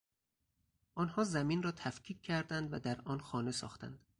آنها زمین را تفکیک کردند و در آن خانه ساختند.